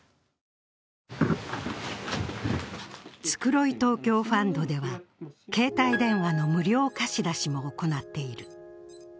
つくろい東京ファンドでは携帯電話の無料貸し出しも行っている。